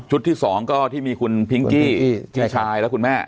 ที่๒ก็ที่มีคุณพิงกี้พี่ชายและคุณแม่